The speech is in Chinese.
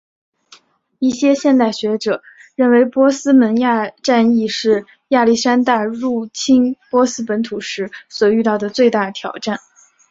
一些现代学者认为波斯门战役是亚历山大入侵波斯本土时所遇到的最大挑战。